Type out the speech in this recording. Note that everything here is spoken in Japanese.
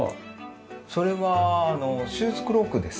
それはあのシューズクロークです。